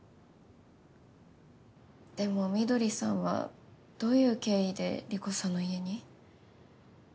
でも翠さんはどういう経緯で理子さんの家に？